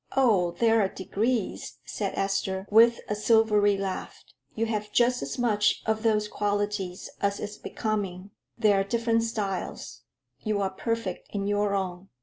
"Oh, there are degrees," said Esther, with a silvery laugh; "you have just as much of those qualities as is becoming. There are different styles. You are perfect in your own."